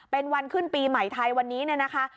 เป็นวันขึ้นปีใหม่ไทยวันนี้เนี่ยนะคะ